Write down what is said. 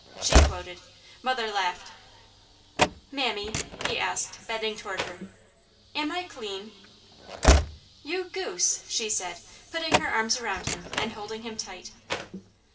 She quoted. Mother laughed. "Mammy," he asked bending toward her, "am I clean?" "You goose!" she said, putting her arms around him and holding him tight.